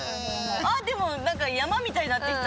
ああでもなんか山みたいになってきた。